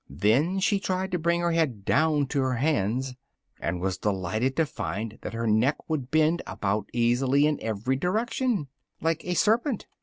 Then she tried to bring her head down to her hands, and was delighted to find that her neck would bend about easily in every direction, like a serpent.